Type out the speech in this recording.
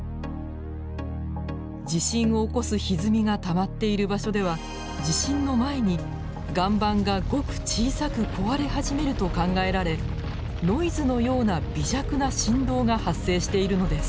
地震を起こすひずみがたまっている場所では地震の前に岩盤がごく小さく壊れ始めると考えられノイズのような微弱な振動が発生しているのです。